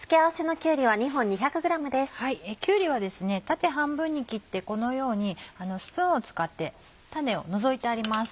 きゅうりは縦半分に切ってこのようにスプーンを使って種を除いてあります。